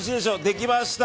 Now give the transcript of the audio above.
できました！